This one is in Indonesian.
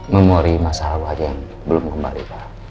memori masalah yang belum kembali